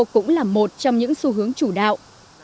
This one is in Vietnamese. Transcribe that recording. cũng là một trong những xu hướng chủ đạo